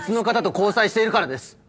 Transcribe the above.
交際しているからです！